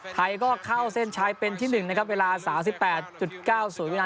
ไทยก็เข้าเส้นชายเป็นชั่วหนึ่งนะครับเวลา๓๘๙๐น